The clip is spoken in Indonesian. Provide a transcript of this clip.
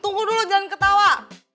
tunggu dulu jangan ketawa